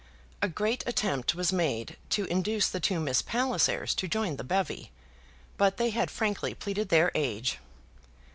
A great attempt was made to induce the two Miss Pallisers to join the bevy, but they had frankly pleaded their age.